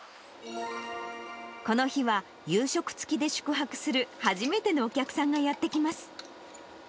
この日は、夕食付きで宿泊する初めてのお客さんがやって来ます。